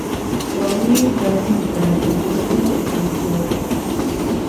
Robbie rescues them and Blitzen is once more jailed.